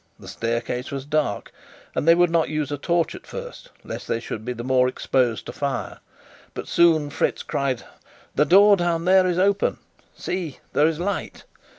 The staircase was dark, and they would not use a torch at first, lest they should be more exposed to fire. But soon Fritz cried: "The door down there is open! See, there is light!"